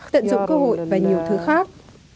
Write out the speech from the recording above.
tận dụng cơ hội và nhiều thứ khác